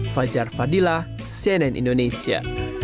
fajar fadila cnn indonesia